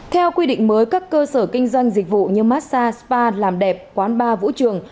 theo quy định mới các cơ sở kinh doanh dịch vụ như massage spa làm đẹp quán bar vũ trường